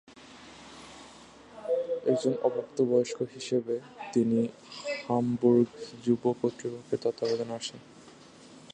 একজন অপ্রাপ্তবয়স্ক হিসেবে তিনি হামবুর্গ যুব কর্তৃপক্ষের তত্ত্বাবধানে আসেন।